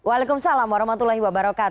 assalamualaikum wr wb